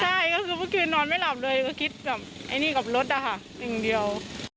ใช่ก็คือเมื่อคืนนอนไม่หลับเลยก็คิดกับไอ้นี่กับรถนะคะอย่างเดียว